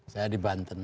saya di banten